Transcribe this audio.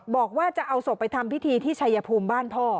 บอกว่าจะเอาศพไปทำพิธีที่ชัยภูมิบ้านพ่อ